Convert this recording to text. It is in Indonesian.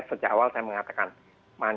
sejak awal saya mengatakan